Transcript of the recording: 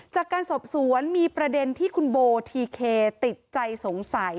จากการสอบสวนมีประเด็นที่คุณโบทีเคติดใจสงสัย